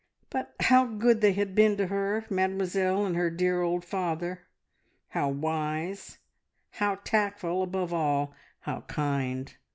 But how good they had been to her; Mademoiselle and her dear old father how wise, how tactful, above all, how kind!